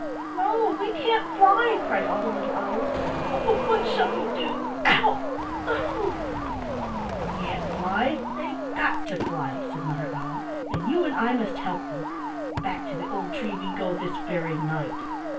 "No, we can't fly!" cried all the little owls. "Oh, what shall we do? Ow! Ow!" "Can't fly! They've got to fly," said Mother Owl, "and you and I must help them. Back to the old tree we go this very night."